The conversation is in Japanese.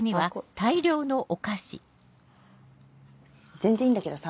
全然いいんだけどさ。